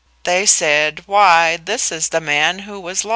They said, "Why, this is the man who was lost."